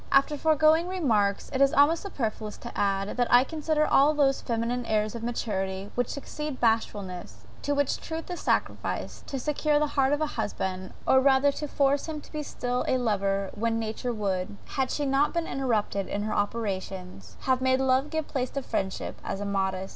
After the foregoing remarks, it is almost superfluous to add, that I consider all those feminine airs of maturity, which succeed bashfulness, to which truth is sacrificed, to secure the heart of a husband, or rather to force him to be still a lover when nature would, had she not been interrupted in her operations, have made love give place to friendship, as immodest.